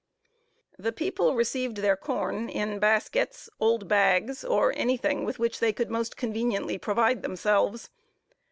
The people received their corn in baskets, old bags, or any thing with which they could most conveniently provide themselves.